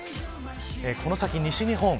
この先、西日本。